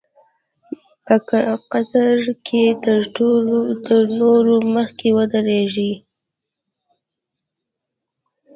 په قطار کې تر نورو مخکې ودرېږي.